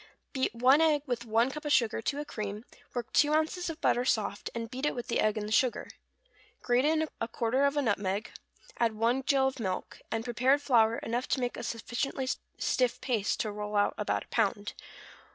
= Beat one egg with one cup of sugar to a cream, work two ounces of butter soft, and beat it with the egg and sugar, grate in quarter of a nutmeg, add one gill of milk, and prepared flour enough to make a sufficiently stiff paste to roll out about a pound.